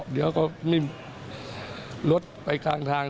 เดี๋ยวก็ลดไปกลางทาง